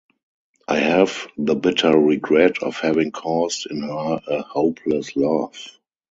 I have the bitter regret of having caused in her a hopeless love.